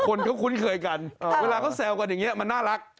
คนเขาคุ้นเคยกันเวลาเขาแซวกันอย่างนี้มันน่ารัก